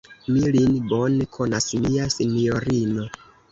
Mi lin bone konas, mia sinjorino.